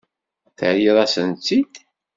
Terriḍ-asent-tt-id.